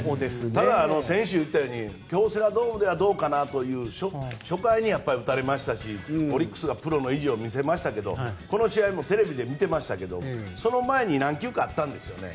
ただ、先週言ったように京セラドームではどうかなという初回にやっぱり打たれましたしオリックスがプロの意地を見せましたけどこの試合もテレビで見てましたけどその前に何球かあったんですよね。